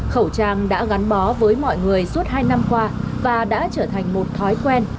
khẩu trang đã gắn bó với mọi người suốt hai năm qua và đã trở thành một thói quen